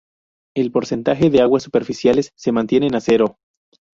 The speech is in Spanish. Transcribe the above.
El porcentaje de aguas superficiales se mantiene a cero.